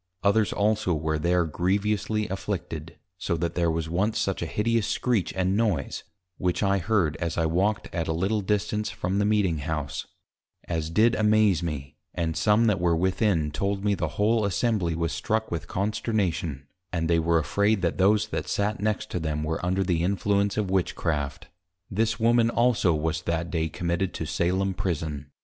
Others also were there grievously afflicted, so that there was once such a hideous scrietch and noise (which I heard as I walked at a little distance from the Meeting House) as did amaze me, and some that were within, told me the whole Assembly was struck with Consternation, and they were afraid, that those that sate next to them were under the Influence of Witchcraft. This Woman also was that day committed to Salem Prison.